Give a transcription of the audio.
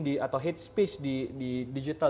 atau hate speech di digital